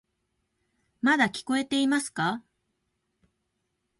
まだ聞こえていますか？